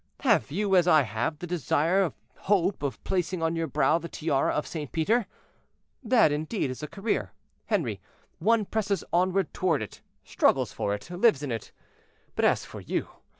Have you, as I have, the desire and hope of placing on your brow the tiara of St. Peter? That, indeed, is a career, Henri; one presses onward toward it, struggles for it, lives in it. But as for you!